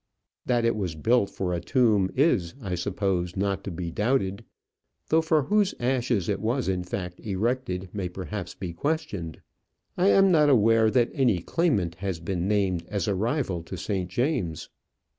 That it was built for a tomb is, I suppose, not to be doubted; though for whose ashes it was in fact erected may perhaps be questioned. I am not aware that any claimant has been named as a rival to St. James.